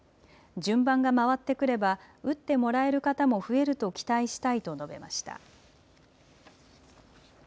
順番が回ってくれば打ってもらえる方も増えると期待したいと述べました。